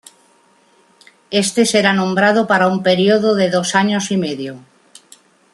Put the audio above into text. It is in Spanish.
Este será nombrado para un periodo de dos años y medio.